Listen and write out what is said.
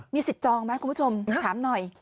สิทธิ์จองไหมคุณผู้ชมถามหน่อย